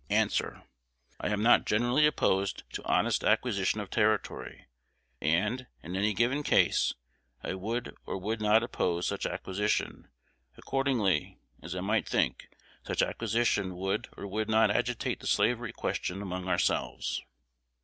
A. I am not generally opposed to honest acquisition of territory; and, in any given case, I would or would not oppose such acquisition, accordingly as I might think such acquisition would or would not agitate the slavery question among ourselves.